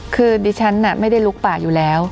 คือดิฉันไม่ได้ลุกป่าอยู่แล้ว